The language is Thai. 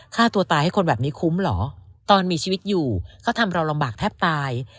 ฆ่าตัวตายให้คนแบบนี้คุ้มเหรอตอนมีชีวิตอยู่เขาทำเราลำบากแทบตาย